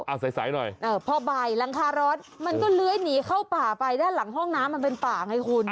เอาใสหน่อยพอบ่ายหลังคาร้อนมันก็เลื้อยหนีเข้าป่าไปด้านหลังห้องน้ำมันเป็นป่าไงคุณ